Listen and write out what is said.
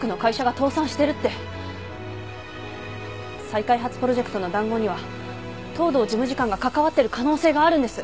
再開発プロジェクトの談合には藤堂事務次官が関わってる可能性があるんです